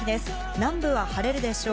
南部は晴れるでしょう。